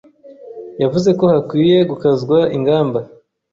Yavuze ko hakwiye gukazwa ingamba